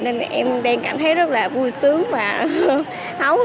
nên em đang cảm thấy rất là vui sướng và thấu